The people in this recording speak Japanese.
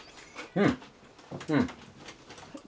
うん。